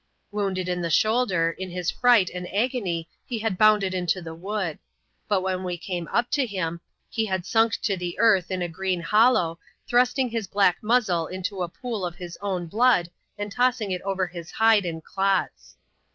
Wounded in the shoulder, in his fright and agony he had bounded into the wood ; but when we came up to him, he had sunk to the earth in a green hollow, thrusting his black muzzle into a pool of his own blood, and tossing it over his hide in clots.